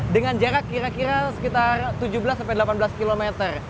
dengan jarak kira kira sekitar tujuh belas sampai delapan belas kilometer